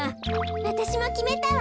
わたしもきめたわ。